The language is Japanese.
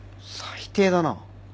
最低だな